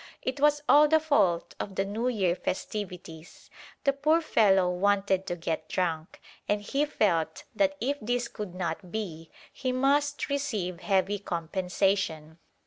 It was all the fault of the New Year festivities. The poor fellow wanted to get drunk, and he felt that if this could not be, he must receive heavy compensation.